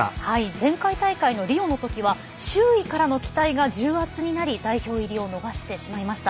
前回大会のリオのときは周囲からの期待が重圧になり代表入りを逃してしまいました。